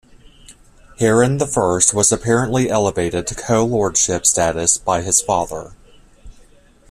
Hairan I was apparently elevated to co-lordship status by his father.